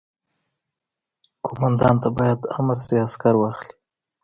قوماندان ته باید امر شي عسکر واخلي.